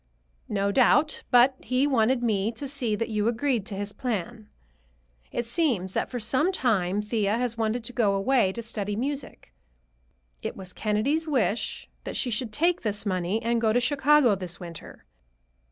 "No doubt; but he wanted me to see that you agreed to his plan. It seems that for some time Thea has wanted to go away to study music. It was Kennedy's wish that she should take this money and go to Chicago this winter.